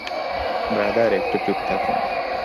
Brother, একটু চুপ থাকুন।